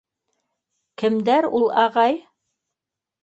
— Кемдәр ул, ағай?